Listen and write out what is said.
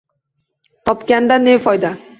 Topgandan ne foyda?